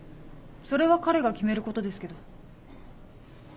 それは彼が決めることですけど。